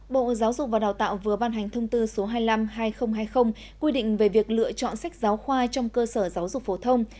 bộ giáo dục và đào tạo vừa ban hành thông tư số hai mươi năm hai nghìn hai mươi quy định về việc lựa chọn sách giáo khoa trong cơ sở giáo dục phổ thông